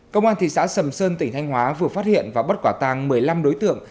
công an thị xã sầm sơn tỉnh thanh hóa vừa phát hiện và bắt quả tàng một mươi năm đối tượng